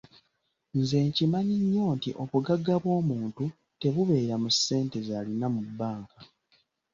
Nze nkimanyi nnyo nti obugagga bw’omuntu tebubeera mu ssente z’alina mu bbanka.